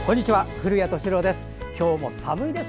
古谷敏郎です。